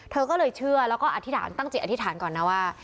เธอก็เลยเชื่อแล้วก็อธิษฐานตั้งจิตอธิษฐานก่อนนะว่า